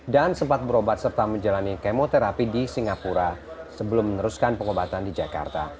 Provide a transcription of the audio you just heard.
dan sempat berobat serta menjalani kemoterapi di singapura sebelum meneruskan pengobatan di jakarta